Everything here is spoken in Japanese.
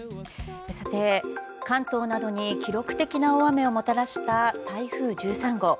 さて、関東などに記録的な大雨をもたらした台風１３号。